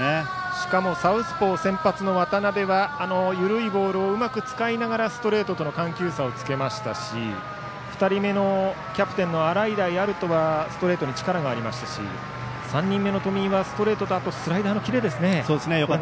しかもサウスポー、先発の渡部は緩いボールをうまく使いながらストレートとの緩急差をつけましたし２人目のキャプテンの洗平歩人はストレートに力がありましたし３人目の冨井はストレートとスライダーのキレ。